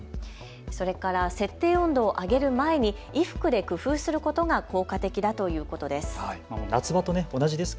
それから設定温度を上げる前に衣服で工夫することが効果的だということです。